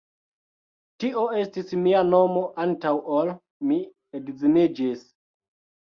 Tio estis mia nomo antaŭ ol mi edziniĝis!